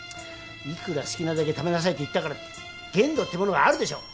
いくら好きなだけ食べなさいって言ったからって限度ってものがあるでしょう。